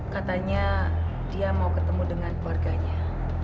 katanya dia mau ketemu dengan keluarganya